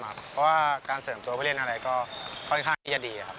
เพราะว่าการเสริมตัวเพื่อเล่นอะไรก็ค่อนข้างจะดี